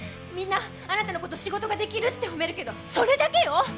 みんなあなたのこと仕事ができるって褒めるけどそれだけよ！